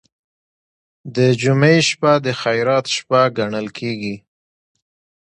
د جمعې شپه د خیرات شپه ګڼل کیږي.